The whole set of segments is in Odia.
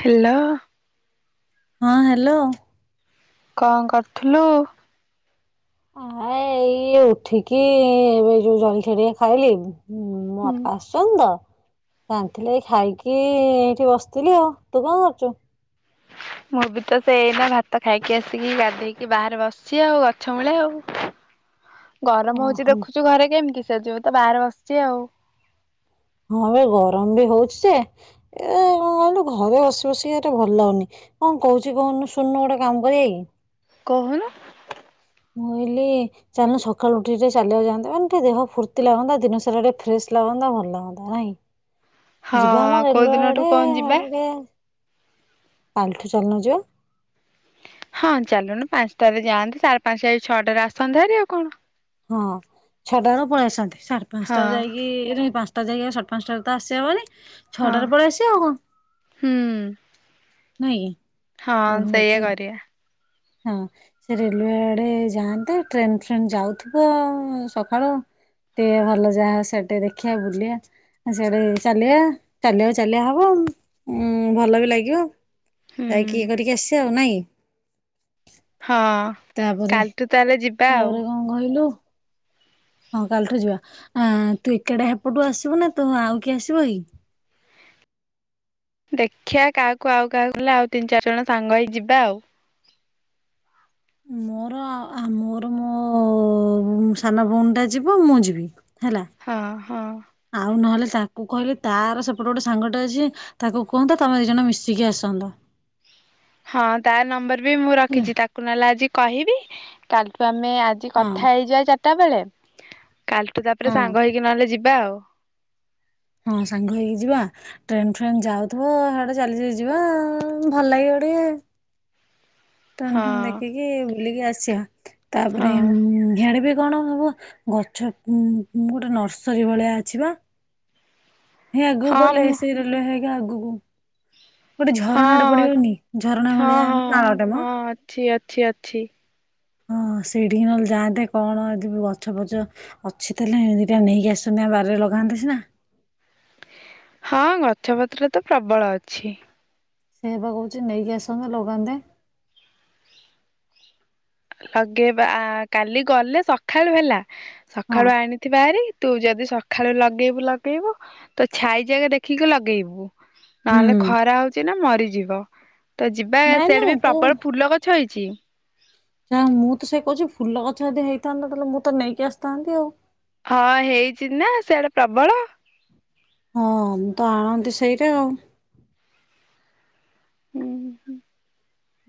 ହେଲୋ। ହଁ ହ୍ୟାଲୋ। କଣ କରୁଥିଲୁ? ଆ ଏଇ ଉଠିକି ଏବେ ଯୋଉ ଜଳିକ୍ଷିଆ ଟିକେ ଖାଇଲି ହୁଁ ମୋ ବାପା ଆସିଛନ୍ତି ତ ଆଣଥିଲେ ଏ ଖାଇକି ଏଇଠି ବସିଥିଲି ଆଉ ତୁ କଣ କରୁଚୁ? ମୁଁ ବି ତ ସେ ଏଇନା ଭାତ ଖାଇକି ଆସିକି ଗାଧେଇକି ବାହାରେ ବସଛି ଆଉ ଗଛ ମୂଳେ ଆଉ। ଗରମ ହଉଛି ଓହୋ ଦେଖୁଛୁ ଘରେ କେମିତି? ସେଯୁଗୁରୁ ତ ବାହାରେ ବସିଛି ଆଉ। ହଁ ଏବେ ଗରମ ବି ହଉଛି ଯେ ଏ କଣ କହିଲୁ ଘରେ ବସି ବସିକି ଏଟା ଭଲ ଲାଗୁନି, କଣ କହୁଛି କହୁନୁ ଶୁଣନୁ ଗୋଟେ କାମ କରିବା କି? କହୁନୁ? ମୁଁ କହିଲି ଚାଲନୁ ସକାଳୁ ଉଠି ଟିକେ ଚାଲିଆକୁ ଯାଆନ୍ତେ, ମାନ ଟିକେ ଦେହ ଫୁର୍ତ୍ତି ଲାଗନ୍ତା ଦିନସାରା ଟିକେ ଫ୍ରେଶ ଲାଗନ୍ତା ଭଲ ଲାଗନ୍ତା ନାଇଁ। ହଁ ଯିବା ଆମ କୋଉ ରେଲୱେ ଦିନଠୁ ଆଡେ, କଣ ଯିବା? ଆଡେ [unintelligible] କାଲଠୁ ଚାଲୁନୁ ଯିବା। ହଁ ଚାଲୁନୁ ପାଞ୍ଚଟାରେ ଯାଆନ୍ତେ, ସାଢେ ପାଞ୍ଚଟା ଛଅଟାରେ ଆସନ୍ତେ ହେରି ଆଉ କଣ? ହଁ ଛଅଟା ବେଳୁ ପଳେଇ ଆସନ୍ତେ। ସାଢେ ହଁ ପାଞ୍ଚଟାରେ ଯାଇକି ହେରି ପାଞ୍ଚ ଟା ଯାଇ ଆମେ ସାଢ ପାଞ୍ଚଟାରେ ତ ଆସିଆ ବୋଲି। ହଁ ଛଅଟାରେ ପଳେଇ ଆସିିଆ ଆଉ କଁ? ହୁଁ ହଁ ସେଇଆ କରିଆ। ହଁ ସେ ରେଲୱେ ଆଡେ ଯାଆନ୍ତେ ଟ୍ରେନ ଫ୍ରେନ୍ ଯାଉଥିବ ସକାଳୁ ଟିକେ ଭଲ ଯାହା ସେଇଟି ଟିକେ ଦେଖିଆ ବୁଲିଆ, ସାଡେ ଚାଲିଆ, ଚାଲିଆକୁ ଚାଲିଆ ହବ ଉଁ ଭଲ ବି ଲାଗିବ। ହୁଁ। ଯାଇକି ଇଏ କରିକି ଆସିବା ଆଉ ନାଇଁ। ହଁ ତାପରେ କାଲିଠୁ ତାହେଲେ ଯିବା ଆଉ। ତାପରେ କଣ କହିଲୁ ହଁ କାଲିଠୁ ଯିବା, ଆଁ ତୁ ଏକାଟିଆ ସେପଟୁ ଆସିବୁ ନା ତୁ ଆଉ କିଏ ଆସିବ କି? ଦେଖିଆ କାହାକୁ ଆଉ କାହାକୁ ହେଲା ଆଉ ତିନି ଚାରି ଜଣ ସାଙ୍ଗ ହେଇ ଯିବା ଆଉ। ମୋର ମୋର ମୋ ସାନ ଭଉଣୀ ଟା ଯିବ ମୁଁ ଯିବି। ହେଲା ହଁ ହଁ ଆଉ ନହେଲେ ତାକୁ କହିଲେ ତାର ସେପଟେ ଗୋଟେ ସାଙ୍ଗଟେ ଅଛି ତାକୁ କୁହନ୍ତ ତମେ ଦି ଜଣ ମିଶିକି ଆସନ୍ତ। ହଁ ତାର ନମ୍ବର ବି ମୁଁ ହେଲା ରଖିଛି ତାକୁ ନହେଲେ ଆଜି କହିବି [unintelligible] ତମେ ଆଜି ହଁ କଥା ହେଇଯିବା ଚା ତା ବଲେଳେ କାଲିଠୁ ତାପରେ ହଁ ସାଙ୍ଗ ହେଇକି ନହେଲେ ଯିବି ଯିବା ଆଉ। ହଁ ସାଙ୍ଗ ହେଇକି ଯିବା ଟ୍ରେନ ଫ୍ରେନ୍ ଯାଉଥିବଡେ ଚାଲି ଯିବା ଭଲ ଲାଗିବ ଟିକେ। ହଁ ତନଠୁନ ଦେଖିକି ବୁଲିକି ଆସିବା। ହଁ ତାପରେ ୟା ଡେ଼ବି କଣ ହବ ଗଛ ଉ ଗୋଟେ ନର୍ସରୀ ଭଳିଆ ଆଛିବା? ହଁ ଗୁ ଗଲ ଏସିିରିଲ ହ ଆଗୁକୁ ହଁ ଝରଣା ହଁ ଭଳିଆ ହଁ ନାଳଟେ ମ ହଁ ଅଛି ଅଛି ଅଛି। ହଁ ସିଡି ନ ଯାଆନ୍ତେ କଣ ଏ ଗଛ ଫଛ ଅଛି ତଲେ ଏ ଦଟା ନେଇକି ଆସନ୍ତି ବାରିରେ ଲଗାନ୍ତେ ସିନା ହଁ ଗଛପତ୍ର ତ ପ୍ରବଳ ଅଛି। ସେଏ ବା କହୁଛି ନେଇକି ଆସନ୍ତ ଲଗାନ୍ତେ। ଲଗେଇବା କାଲି ଗଲେ ସକାଳୁ ହେଲା ହଁ ସକାଳୁ ଆଣିଥିବା ଆରେ। ତୁ ଯଦି ସକାଳୁ ଲଗେଇବୁ ଲଗେଇବୁ ତ ଛାଇ ଯକା ଦେଖିକି ଲଗେଇବୁ। ହୁଁ ନହେଲେ ଖରା ହଉଛି ନା ମ ଯିବା ତ ଯିବା ନାଇଁ ସେଆଡେ ନାଇଁ ବି ତୁ ପ୍ରବଳ ଫୁଲ ଗଛ ହେଇଛି। ଜି ମୁଁ ତ ସେ କହୁଛି ଫୁଲ ଗଛ ଯଦି ହେଇଥାନ୍ତା ତାହେଲେ ମୁଁ ତ ନେଇକି ଆସିଥାନ୍ତି ଆଉ। ହଁ ହେଇଚ ନା ସେଆଡେ ପ୍ରବଳ। ହଁ ମୁଁ ତ ଆଣନ୍ତି ସେଇରୋ ଆଉ। ହୁଁ ହୁଁ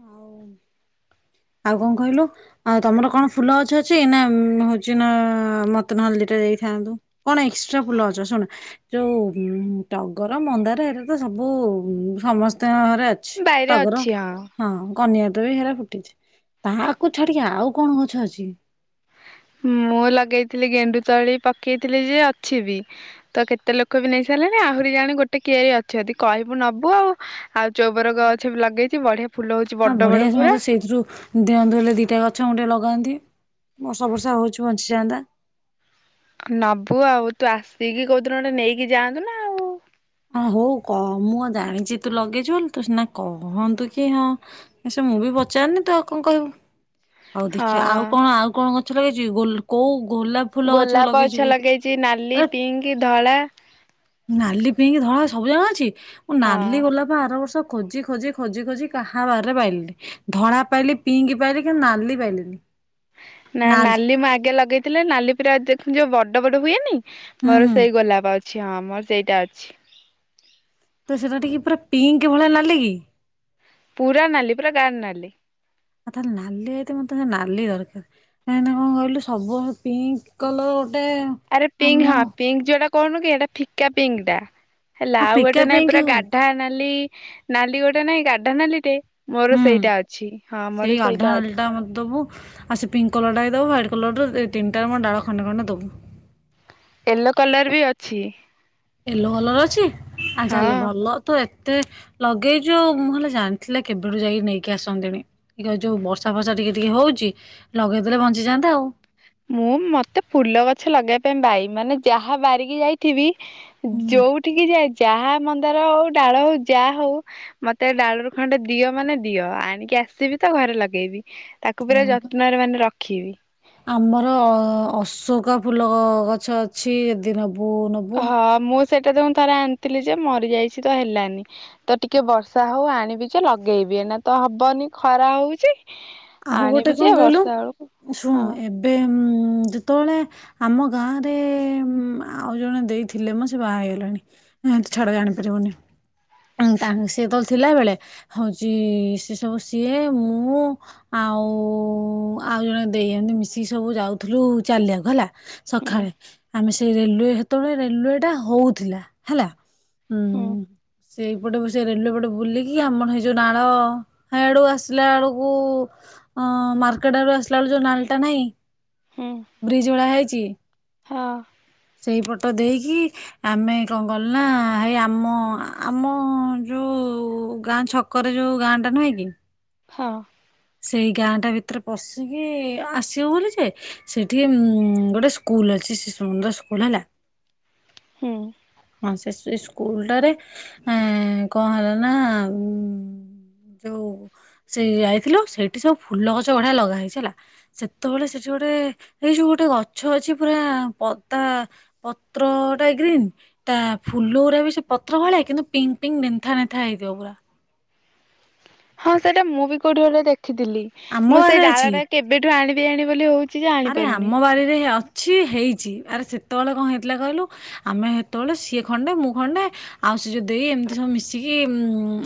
ହଉ ଆଉ କଣ କହିଲୁ ଆଉ ତମର କଣ ଫୁଲ ଅଛ ଅଛି ନା ହଉଛି ନା ମତେ ନହେଲେ ଦୀଟା ଦେଇଥାନ୍ତୁ। କଣ ଏକ୍ସଟ୍ରା ଫୁଲ ଅଛ ଶୁଣ ଯୋଉ ଟଗର ମନ୍ଦାର ଏରେ ତ ସବୁ ସମସ୍ତ ଅ ବାଇରେ ଟଗର ଅଛି ହଁ କନି ଦଦ ବି ହେରା ଫୁଟିଛି। ତାକୁ ଛାଡିକି ଆଉ କଣ ଗଛ ଅଛି? ମୁଁ ଲଗେଇଥିଲି ଗେଣ୍ଡୁ ତଳି ପକେଇଥିଲି ଯେ ଅଛି ବି ତ କେତେ ଲୋକ ବି ନେଇ ସାରିଲେଣି ଆହୁରି ଜାଣି ଗୋଟେ କିଆରି ଅଛିଛନ୍ତି କହିବୁ ନବୁ ଆଉ। ଆଉ ଚଉବର ଗଛ ବି ଲଗେଇଛି ବଢିଆ ଫୁଲ ହଉଛି ହଁ ବଡ ବଡ ବଢିଆଛି ପୁରା ମତେ ସେଇଥିରୁ ଦଅନ୍ତୁ ହେଲେ ଦିଟା ଗଛ ଗୋଟେ ଲଗାନ୍ତି। ବର୍ଷ ବର୍ଷା ହଉଛିୁ ବଞ୍ଚିଯାନ୍ତା। ନବୁ ଆଉ ତୁ ଆସିକି କହୁଉଥିଲୁ ଗୋଟେ ନେଇକି ଯାଆନ୍ତୁ ନା ଆଉ। ହଁ ହଉ ମୁଁ ଆଉ ଜାଣିଛି ତୁ ଲଗେଇଛୁ ବୋଲି ତୁ ସନା କହନ୍ତୁ କି ହଁ ସେ ମୁଁ ବି ପଚାରନି ତୁ ଆଉ କଣ କହିବୁ ହଉ ଦେଖିବା ଆଉ ହଁ କଣ ଆଉ କଣ କ ଆଛା ଲାଗିଛି ଗୋ କୋଉ ଗୋଲାପ ଫୁଲ ଗୋଲାପ ଲଗେଇଛୁ ଗଛ କହୁଥିଲୁ? ଲଗେଇଛି ନାଲି ଆରେ ପିଙ୍କ ଧଳା ନାଲି ପିଙ୍କି ଧଳା ସବୁ ଜାକ ଅଛି। ମୁଁ ହଁ। ନାଲି ଗୋଲାପ ଆର ବର୍ଷ ଖୋଜି ଖୋଜି ଖୋଜି ଖୋଜି କାହା ବାରିରେ ପାଇଲିି ଧଳା ପାଇଲି ପିଙ୍କ ପାଇଲି କିନ୍ତୁ ନାଲି ପାଇଲିନି। ନା ନାଲି ମୁଁ ଆଗେ ଲଗେଇ ଥିଲା ନାଲି ପରା ଦେଖ ଯୋଉ ବଡ ବଡ ହୁଏନି ହୁଁ ମୋର ହୁଁ। ସେଇ ଗୋଲାପ ଅଛି। ଆମର ସେଇଟା ଅଛି। ତ ସେଟା ଟିକେ ପୁରା ପିଙ୍କ ଭଳିଆ ନାଲି କି? ପୁରା ନାଲି ପୁରା ଗାଢ଼ ନାଲି। ଆଉ ତାହେଲେ ନାଲି ହେଇତ ମତେ ନାଲି ଦରକାର କାହିଁକିନା କଣ କହିଲୁ ସବୁ ପିଙ୍କ କଲର ଗୋଟେ ଆରେ ଆମ ପିଙ୍କ ହଁ ପିଙ୍କ ଯୋଉଟା କଣ କି ଏଇଟା ଫିକା ପିଙ୍କ ଟା। ହଁ ହେଲା ଆଉ ଫିକା ଗୋଟେ ନାଇଁ ପିଙ୍କ ପୁରା ହଉ ଗାଢା ନାଲି ନାଲି ଗୋଟେ ନାଇଁ ଗାଢା ନାଲି ଟେ। ହୁଁ ସେଇ ସେଇଟା [unintelligible] ଅଛି ଟା ମତେ ଦବୁ ଆଉ ସେ ପିଙ୍କ କଲରଟା ବି ଦବୁ। କଲର୍ ରୁ ସେଇ ତିନିଟା ମୋ ଡାଳ ଖଣ୍ଡେ ଖଣ୍ଡେ ଦେବୁ। ୟେଲୋ କଲର ବି ଅଛି। ୟେଲୋ କଲର ଅଛି? ଆ ହଁ। ତାହେଲେ ଭଲ ତୁ ଏ ତେ ଲଗେଇଛୁ ମୁଁ ହେଲେ ଜାଣିଥିଲେ କେବେଠୁ ଯାଇକି ନେଇକି ଆସନ୍ତିନି କି ଯୋଉ ବର୍ଷା ଫର୍ଷା ଟିକେ ଟିକେ ହଉଛି ଲଗେଇଦେଲେ ବଞ୍ଚିଯାଆନ୍ତା ଆଉ। ମୁଁ ମତେ ଫୁଲ ଗଛ ଲଗେଇବା ପାଇଁ ବାଇ ମାନେ ଯାହା ବାରିକି ଯାଇଥିବି ହୁଁ ଯୋଉଠିକି ଯାଏ ଯାହା ମନ୍ଦାର ହଉ ଡାଳ ହଉ ଯାହା ହଉ ମତେ ଡାଳରୁ ଖଣ୍ଡେ ଦିଅ ମାନେ ଦିଅ ଆଣିକି ଆସିବି ତ ଘରେ ଲଗେଇବି। ତାକୁ ପୁରା ହଁ ବା। ଯତ୍ନରେ ମାନେ ରଖିବି। ଆମର ଅ ଅଶୋକା ଫୁଲ ଗଛ ଅଛି ଯଦି ନ ନବୁ ନବୁ। ହଁ ମୁଁ ସେଇଟା ତ ମୁଁ ଥରେ ଆଣିଥିଲି ଯେ ମରିଯାଇଛି ତ ହେଲାନି ତ ଟିକେ ବର୍ଷା ହଉ ଆଣିବି ଯେ ଲଗେଇବି ନା ତ ହବନି ଖରା ହଉଛି। ଆଉ ଆଣିବି ଗୋଟେ ଯେ କଣ କହିଲୁ ବର୍ଷା ବେଳକୁ ଶୁଣୁ ହଁ ଏବେ ଉଁ ଯେତେବେଳେ ଆମ ଗାଁରେ ଆଉ ଜଣେ ଦେଇ ଥିଲେ ମୋ ସେ ବାହା ହେଇଗଲାଣି ଏ ଛାଡ ଜାଣି ପାରିବୁନି, ତା ସିଏ ଯେତେବେଳେ ଥିଲା ବେଳେ ହଉଛି ସେସବୁ ସିଏ ମୁଁ ଆଉ ଆଉ ଜଣେ ଦେଇ ଏମତି ମିଶିକି ସବୁ ଯାଉଥିଲୁ ଚାଲିଆକୁ ହେଲା। ହୁଁ ସଖାଳେ ଆମେ ସେ ସେ ରେଲୱେ ସେତେବେଳେ ରେଲୱେ ଟା ହଉଥିଲା ହେଲା। ଉଁ, ହୁଁ। ସେଇପଟେ ସେ ରେଲୱେ ପଟେ ବୁଲିକି ଆମର ସେଯୋଉ ନାଳ, ହେ ଆଡୁ ଆସିଲା ଆଳୁକୁ ଅଁ ମାର୍କେଟ ଆଡୁ ଆସିଲା ଆଳକୁ ଯୋଉ ନାଳଟା ନାହିଁ ହୁଁ ବ୍ରିଜ ଭଳିଆ ହେଇ ଚି। ହଁ। ସେଇପଟ ଦେଇକି ଆମେ କଣ କଲୁ ନା ହେଇ ଆମ ଆମ ଯୋଉ ଗାଁ ଛକରେ ଯୋଉ ଗାଁଟା ନୁହେଁ କି? ହଁ। ସେଇ ଗାଁଟା ଭିତରେ ପଶିକି ଆସିବ ବୋଲି ଯେ ସେଇଠି ଉମ୍ ଗୋଟେ ସ୍କୁଲ ଅଛି ଶିଶୁ ମନ୍ଦିର ସ୍କୁଲ ହେଲା। ହୁଁ। ହଁ ସେ ସେ ସ୍କୁଲଟାରେ ଏଁ କଣ ହେଲା ନା ଉ ଯୋଉ ସେ ଯାଇଥିଲୁ ସେଇଠି ସବୁ ଫୁଲ ଗଛ ବଢିଆ ଲଗା ହେଇଛି ହେଲା, ସେତେବେଳେ ସେଠି ଗୋଟେ ଏଇଯୋଉ ଗୋଟେ ଗଛ ଅଛି ପୁରା ଅଦା ପତ୍ରଟା ଗ୍ରୀନ ତା ଫୁଲ ଗୁରା ବି ସେ ପତ୍ର ଭଳିଆ କିନ୍ତୁ ପିଙ୍କ ପିଙ୍କ ନେନ୍ଥା ନେନ୍ଥା ହେଇଥିବ ପୁରା। ହଁ ସେଇଟା ମୁଁ ବି କୋଉଠି ଗୋଟେ ଦେଖି ଥିଲି ଆମ ମୁଁ ସେଇ ବାରିରେ ଅଛି ଡାଳଟା କେବେଠୁ ଆଣି ତେ ଆଣିବ ବୋଲି ହଉଛି ଯେ ଆରେ ଆଣିପାରୁନି। ଆମ ବାଡିରେ ଅ ଛି ହେଇଛି ଆରେ ସେତେବେଳେ କଣ ହେଇଥିଲା କହିଲୁ ଆମେ ହେତେବେଳେ ସିଏ ଖଣ୍ଡେ ମୁଁ ଖଣ୍ଡେ ଆଉ ସେ ଯୋଉ ଦେଇ ଏମିତି ସବୁ ମିଶିକି ଇ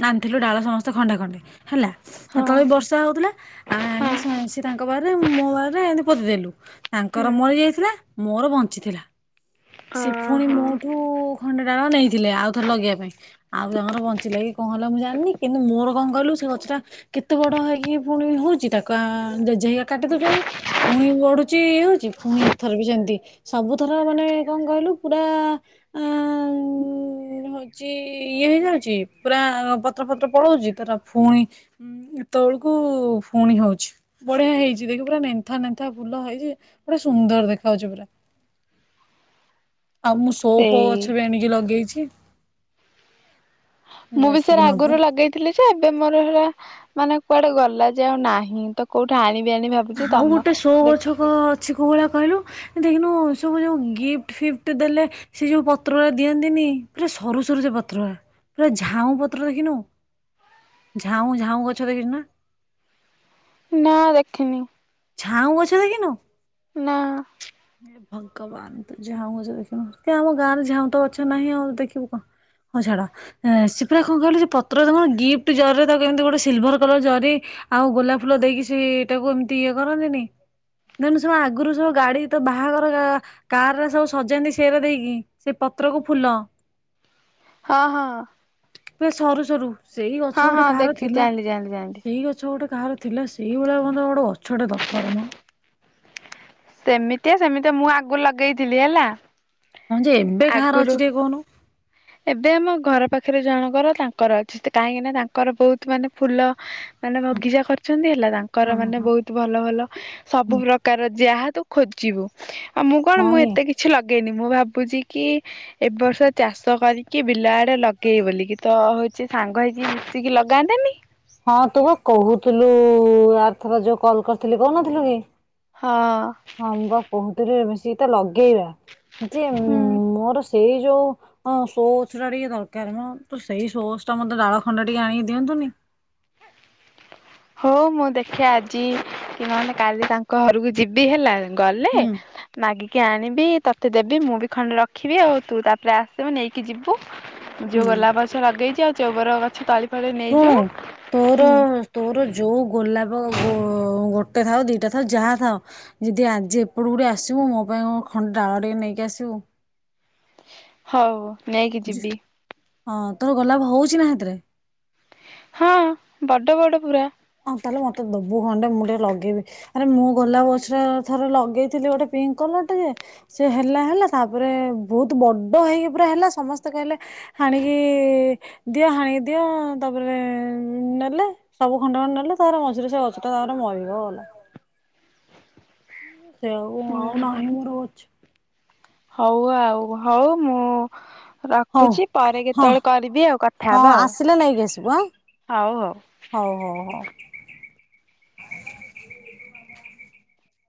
ଆଣିଥିଲୁ ଡାଳ ସମସ୍ତେ ଖଣ୍ଡେ ଖଣ୍ଡେ। ହେଲା ହଁ। ହେତେବେଳେ ବର୍ଷା ହଉଥିଲା ଆଉ ହଁ। ଆଣିକି ସେ ସେ ତାଙ୍କ ବାଡ଼ିରେ ମୁଁ ପରେ ଏମିତି ପୋତି ଦେଲୁ। ତାଙ୍କର ହୁଁ। ମରି ଯାଇଥିଲା ମୋର ବଞ୍ଚିଥିଲା। ସେ ପୁଣି ଓହୋ। ମୋଠୁ ଖଣ୍ଡେ ଡାଳ ନେଇଥିଲେ ଆଉ ଥରେ ଲଗେଇବା ପାଇଁ। ଆଉ ତାଙ୍କର ବଞ୍ଚିଲା କି କଣ ହେଲା ମୁଁ ଜାଣିନି କିନ୍ତୁ ମୋର କଣ କହିଲୁ ସେ ଗଛ ଟା କେତେ ବଡ ହେଇକି ପୁଣି ହଉଛି ତାକୁ ଆ ଜେଜେ ହେଇକା କାଟି ଦଉଛନ୍ତି। ପୁଣି ବଢୁଛି ଇଏ ହଉଛି ପୁଣି ଏଥର ବି ସେମିତି ସବୁଥର ମାନେ କଣ କହିଲୁ ପୁରା ଆ ହଉଛି ଇଏ ହେଇଯାଉଛି ପୁରା ପତ୍ର ଫତ୍ର ପଳଉଛି ତାର ପୁଣି ଉ ଏତେବେଳକୁ ପୁଣି ହଉଛି ବଢିଆ ହେଇଛି ଦେଖି ପୁରା ନା ପେନ୍ଥା ନେଥା ଫୁଲ ହେଇଛି ପୁରା ସୁନ୍ଦର ଦେଖା ଯାଉଛି ପୁରା। ଆଉ ମୁଁ ସୋପ ସେଇ ଗଛ ବି ଆଣିକି ଲଗେଇଛି। ଦି ମୁଁ ବି ସେ ଆଗରୁ ଲଗେଇଥିଲି ଯେ ଏବେ ମୋର ହେରା ମାନେ କୁଆଡେ ଗଲା ଯେ ଆଉ ନାହିଁ ତ କୋଉଠି ଆଣିବି ଆଣିବି ଭାବୁଛି ଆଉ ତମ ଗୋଟେ ସୋ ଦେଖି ଗଛକ ଅଛି କୋଉ ଭଳିଆ କହିଲୁ? ଦେଖିନୁ ସବୁ ଯୋଉ ଗିଫ୍ଟ ଫିଫ୍ଟ ଦେଲେ ସେ ଯୋଉ ପତ୍ର ଗୁଡ଼ା ଦିଅନ୍ତିନି ପୁରା ସରୁ ସରୁ ସେ ପତ୍ର ଗୁଡ଼ା ଝାଉଁ ପତ୍ର ଦେଖିନୁ ଝାଉଁ ଝାଉଁ ଗଛ ଦେଖଛୁ ନା। ନା ଦେଖିନି? ଛାଉଁ ଗଛ ଦେଖିନୁ? ନା। ଭଗବାନ ତୁ ଝାଉଁ ଗଛ ଦେଖିନୁ ସେ ଆମ ଗାଁ ରେ ଝାଉଁ ତ ଗଛ ନାହିଁ ଆଉ ଦେଖିବୁ କଣ ହଉ ଛାଡ ଏ ସେ ପୁରା କଣ କହିଲୁ ପତ୍ର କଣ ଗିଫ୍ଟ ଜରିରେ ତା କେମିତି ଗୋଟେ ସିଲଭର କଲର ଜରି ଆଉ ଗୋଲାପ ଫୁଲ ଦେଇକି ସେଇଟାକୁ ଏ ତି ଇଏ କରନ୍ତିନି ଦେନ୍ ସବୁ ଆଗରୁ ସବୁ ଗାଡି ତ ବାହାଘର ଗା କାର ରେ ସବୁ ସଜାନ୍ତି ସିରା ଦେଇକି ସେ ପତ୍ରକୁ ଫୁଲ ହଁ ହଁ। ପୁରା ସରୁ ସରୁ। ସେଇ ଗଛ ହଁ ଗୋଟେ ହଁ କାହାର ଦେଖି ଥିଲା ଜାଣିଲି ଜାଣିଲି ଜାଣିଲି। ସେଇ ଗଛ ଗୋଟେ କାହାର ଥିଲା ସେଇ ଭଳିଆ [unintelligible] ଗୋଟେ ଗ ଗଛ ଟେ ଦରକାର ମ ସେମିତିଆ ସେମିତିଆ ମୁଁ ଆଗୁ ଲଗେଇଥିଲି ହେଲା। ହଁ ଯେ ଏବେ କାହାର ଆଗରୁ ଅଛି ଟିକେ କହୁନୁ? ଏବେ ଆମ ଘର ପାଖରେ ଜଣଙ୍କର ତାଙ୍କର ଅଛି କାହିଁକି ନା ତାଙ୍କର ବହୁତ ମାନେ ଫୁଲ ମାନେ ବଗିଚା କରିଛନ୍ତି ହେଲା ତାଙ୍କର ହଁ ମାନେ ହଁ ବହୁତ ଭଲ ଭଲ ସବୁ ହୁଁ। ପ୍ରକାର ଯାହା ତୁ ଖୋଜିବୁ। ଆ ମୁଁ କଣ ହଁ ମୁଁ ଇଏ ଏତେ କିଛି ଲଗ ଦିନେ ମୁଁ ଭାବୁଛି କି ଏବ ବର୍ଷ ଚାଷ ଚାଷ କରିକି ବିଲ ଆଡେ ଲଗେଇ ବୋଲିକି ତ ହଉଚି ସାଙ୍ଗ ହେଇକି ମିଶିକି ଲଗାନ୍ତେନି? ହଁ ତୁ ବା କହୁଥିଲୁ ଆର ଥର ଯୋଉ କଲ କରିଥିଲି କହୁନଥିଲୁ କି? ହଁ ହମ ବା କହୁଥିଲି ମି ଯି ତା ଲ ଗେଇବା ଯେ ହୁଁ ମୋର ସେଇ ଯୋଉ ହଁ ଶୋ ଗଛଟା ଟିକେ ଦରକାର ମ, ତ ସେଇ ଶୋ ଗଛଟା ମତେ ଡାଳ ଖଣ୍ଡ ଟିକେ ଆଣିକି ଦିଅନ୍ତୁନି। ହଉ ମୁଁ ଦେଖିଆ ଆଜି କି ନହେଲେ କାଲି ତାଙ୍କ ଘରକୁ ଯିବି ହେଲା। ଗଲେ ହୁଁ। ମାଗିକି ଆଣି ବି ତତେ ଦେବି ମୁଁ ବି ଖଣ୍ଡେ ରଖିବି ଆଉ ତୁ ତାପରେ ଆସିବୁ ନେଇକି ଯିବୁ ଯୋଉ ହୁଁ ଗୋଲାପ ଗଛ ଲଗେଇଚି ଆଉ ଟଗର ଗଛ ତଳି ଫଳି ଶୁଣୁ ନେଇଯିବୁ। ତୋର ହୁଁ। ତୋର ଯୋଉ ଗୋଲାପ ଗୋ-ଗୋଟେ ଥାଉ ଦିଟା ଥାଉ ଯାହା ଥାଉ ଯଦି ଆଜି ଏପଟୁ ଟିକେ ଗୋଟେ ଆସିବୁ ମୋ ପାଇଁ ଖଣ୍ଡ ଡାଳ ଟିକେ ନେଇକି ଆସିବୁ। ହଉ। ନେଇକି ଯିବି। ତୋ ଗୋଲାପ ହଉଛି ନା ସେଥିରେ? ହଁ ବଡ ବଡ ପୁରା। ହଁ ତାହେଲେ ମତେ ଦବୁ ଖଣ୍ଡେ ମୁଁ ଟିକେ ଲଗେଇବି, ଆରେ ମୁଁ ଗୋଲାପ ଗଛ ଥରେ ଲଗେଇଥିଲି ଗୋଟେ ପିଙ୍କ କଲରଟା ଯେ, ସେ ହେଲା ହେଲା ତାପରେ ବହୁତ ବଡ ହେଇକି ପୁରା ହେଲା ସମସ୍ତେ କହିଲେ ହାଣିକି ଦିଅ ହାଣିକି ଦିଅ ତାପରେ ନେଲେ ସବୁ ଖଣ୍ଡେ ଖଣ୍ଡେ ନେଲେ ତାର ମଝିରେ ସେ ଗଛଟା ତାପରେ ମରିଗଲା। ସେଉ ଆଉ ନାହିଁ ରୋଜ୍ ହଉ ଆଉ ହଉ ମୁଁ ହଉ ରଖୁଛି ପରେ ହଁ କେତେବେଳେ କରିବି ଆଉ କଥା ହଁ ହେବା ଆଉ ଆସିଲେ ନେଇକି ଆସିବୁ ଆଁ ହଉ ହଉ। ହଉ ହଉ ହଉ।